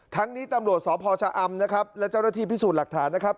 นี้ตำรวจสพชะอำนะครับและเจ้าหน้าที่พิสูจน์หลักฐานนะครับ